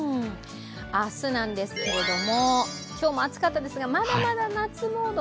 明日なんですけれども今日も暑かったんですが、まだまだ夏モード